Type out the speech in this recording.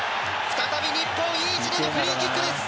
再び日本いい位置でのフリーキックです。